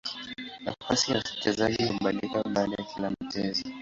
Nafasi ya wachezaji hubadilika baada ya kila mchezo.